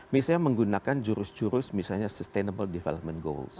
misalnya menggunakan jurus jurus misalnya sustainable development goals